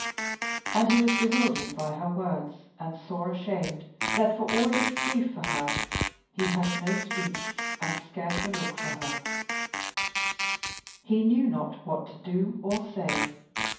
And he was bewildered by her words and sore ashamed that for all his grief for her he had no speech, and scarce a look for her; he knew not what to do or say.